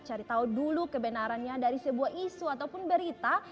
cari tahu dulu kebenarannya dari sebuah isu ataupun berita